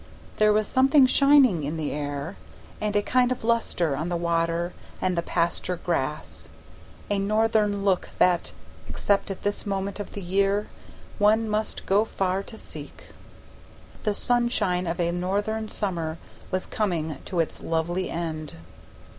There was something shining in the air, and a kind of lustre on the water and the pasture grass, a northern look that, except at this moment of the year, one must go far to seek. The sunshine of a northern summer was coming to its lovely end.